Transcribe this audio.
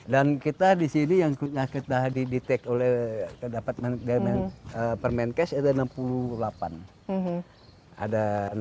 dan kita di sini yang kita didetek oleh dapat permain cash ada enam puluh delapan